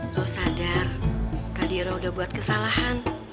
lo sadar kadira udah buat kesalahan